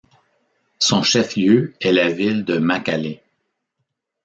Son chef-lieu est la ville de Makallé.